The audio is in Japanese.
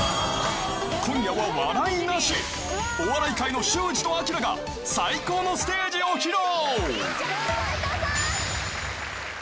［今夜は笑いなしお笑い界の修二と彰が最高のステージを披露］